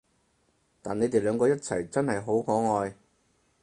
但你哋兩個一齊真係好可愛